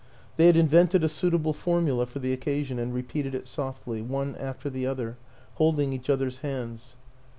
They had invented a suitable formula for the occasion and repeated it softly, one after the other, holding each other's hands.